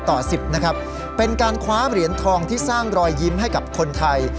ต่อ๑๐นะครับเป็นการคว้าเหรียญทองที่สร้างรอยยิ้มให้กับคนไทย